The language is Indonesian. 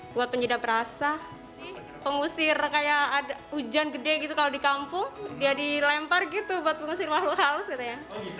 buat penyedap rasa pengusir kayak ada hujan gede gitu kalau di kampung dia dilempar gitu buat pengusir halus halus gitu ya